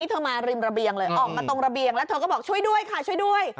เธอมาริมระเบียงเลยออกมาตรงระเบียงแล้วเธอก็บอกช่วยด้วยค่ะช่วยด้วย